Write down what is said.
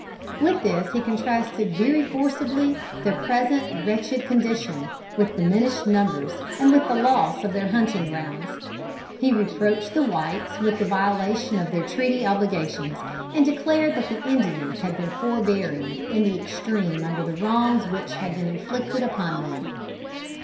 With this he contrasted very forcibly their present wretched condition, with diminished numbers, and with the loss of their hunting grounds. He reproached the whites with the violation of their treaty obligations, and declared that the Indians had been forbearing in the extreme under the wrongs which had been inflicted upon them.